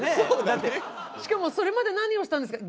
しかもそれまで何をしたんですか？